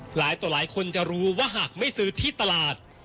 หลายคนจะรู้ว่าหากไม่ซื้อที่ตลาด